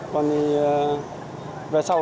còn về sau